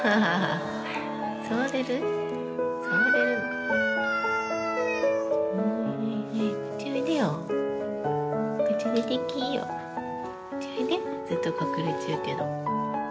おいでずっと隠れちょるけど。